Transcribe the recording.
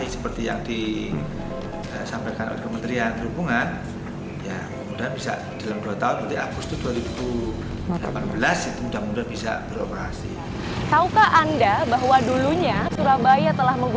setidaknya saat ini tidak perlu lagi memikirkan jalur dan juga rute tram